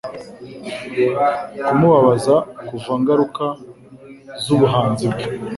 kumubabaza kuva ingaruka zubuhanzi bwe